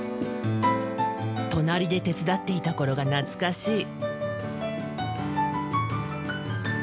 隣で手伝っていた頃が懐かしい。